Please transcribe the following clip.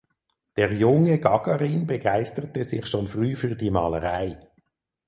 Der junge Gagarin begeisterte sich schon früh für die Malerei.